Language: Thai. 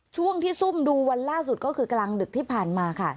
ช่วงที่ซุ่มดูวันล่าสุดก็คือกลางดึกที่ผ่านมาค่ะ